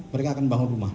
mereka akan bangun rumah